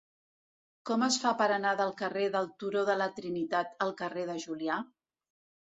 Com es fa per anar del carrer del Turó de la Trinitat al carrer de Julià?